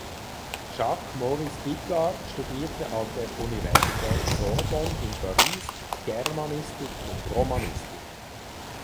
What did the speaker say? Jacques Maurice Picard studierte an der Universität Sorbonne in Paris Germanistik und Romanistik.